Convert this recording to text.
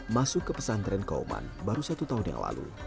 masuk ke pesantren kauman baru satu tahun yang lalu